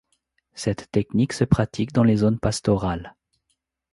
Cette technique se pratique dans les zones pastorales.